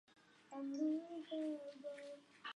它经常被评价为意大利的最美丽的部分。